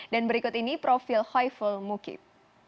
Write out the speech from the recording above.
dan berikut ini profil khoiful mukib